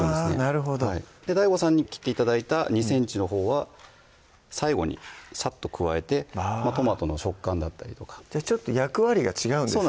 なるほどＤＡＩＧＯさんに切って頂いた２ｃｍのほうは最後にさっと加えてトマトの食感だったりとかちょっと役割が違うんですね